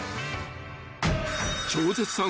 ［超絶さん